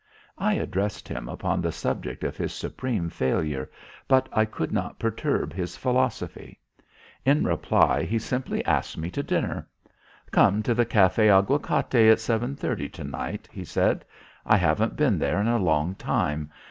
I addressed him upon the subject of his supreme failure, but I could not perturb his philosophy. In reply he simply asked me to dinner. "Come to the Café Aguacate at 7:30 to night," he said. "I haven't been there in a long time.